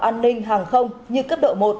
an ninh hàng không như cấp độ một